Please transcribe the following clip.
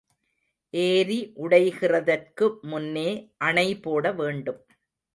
ஏரி உடைகிறதற்கு முன்னே அணை போட வேண்டும்.